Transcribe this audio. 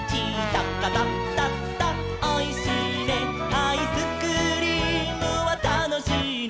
「アイスクリームはたのしいね」